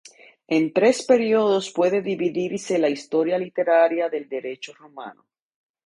En tres períodos puede dividirse la historia literaria del derecho romano.